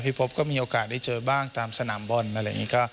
พบก็มีโอกาสได้เจอบ้างตามสนามบอลอะไรอย่างนี้